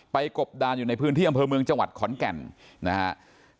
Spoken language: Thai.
กบดานอยู่ในพื้นที่อำเภอเมืองจังหวัดขอนแก่นนะครับ